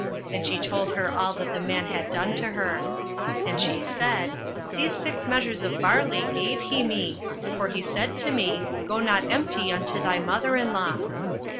And she told her all that the man had done to her. 08:003:017 And she said, These six measures of barley gave he me; for he said to me, Go not empty unto thy mother in law.